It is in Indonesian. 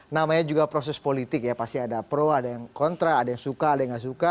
namanya juga proses politik ya pasti ada pro ada yang kontra ada yang suka ada yang gak suka